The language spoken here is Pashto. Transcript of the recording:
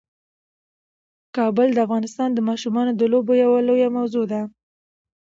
کابل د افغانستان د ماشومانو د لوبو یوه لویه موضوع ده.